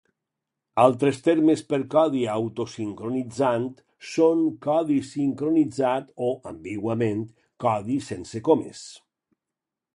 Altres termes per codi auto sincronitzant són codi sincronitzat o, ambiguament, codi sense comes.